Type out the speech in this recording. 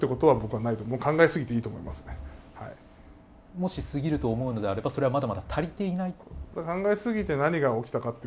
もし「すぎる」と思うのであればそれはまだまだ足りていない？